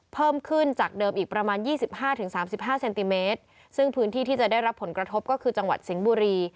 เพิ่มขึ้นจากเดิมอีกประมาณยี่สิบห้าถึงสามสิบห้าเซนติเมตรซึ่งพื้นที่ที่จะได้รับผลกระทบก็คือจังหวัดสิงห์บุรี